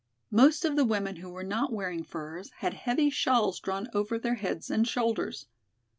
Most of the women who were not wearing furs had heavy shawls drawn over their heads and shoulders.